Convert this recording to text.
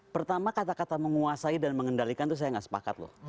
pertama kata kata menguasai dan mengendalikan itu saya nggak sepakat loh